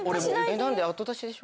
なんで、後出しでしょ？